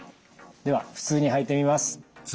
では普通に履いてみます。